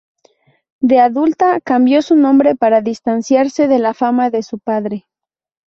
De adulta, cambió su nombre para distanciarse de la fama de su padre.